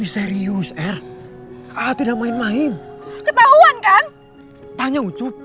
serius air tidak main main ketahuan kan tanya